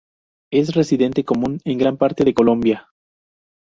Es residente común en gran parte de Colombia.